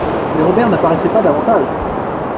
Mais Robert n'apparaissait pas davantage.